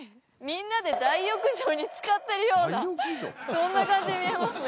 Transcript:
そんな感じに見えますね